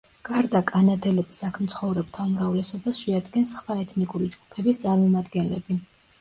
გარდა კანადელების აქ მცხოვრებთა უმრავლესობას შეადგენს სხვა ეთნიკური ჯგუფების წარმომადგენლები.